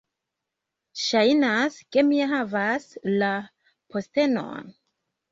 Ŝajnas ke mi ja havas la postenon!